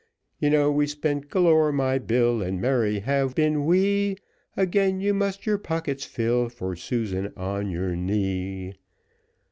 You know we've spent galore, my Bill, And merry have been we, Again you must your pockets fill, For Susan on your knee.